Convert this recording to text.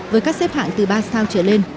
với các xếp hạng từ ba sao trở lên